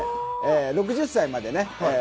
６０歳までね。